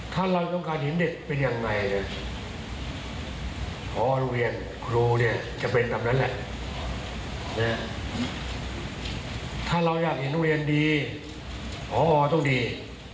ถ้าเราอยากเห็นโรงเรียนดีหออต้องดี